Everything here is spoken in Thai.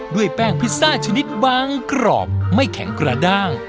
แป้งพิซซ่าชนิดบางกรอบไม่แข็งกระด้าง